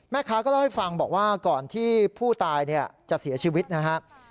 แม่ค้าก็เล่าให้ฟังบอกว่าก่อนที่ผู้ตายจะเสียชีวิตนะครับ